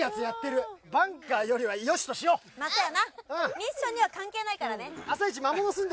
ミッションには関係ないからね。